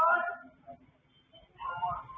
นี่คือบางช่วงบรรยากาศที่เกิดขึ้นในประวัติศาสตร์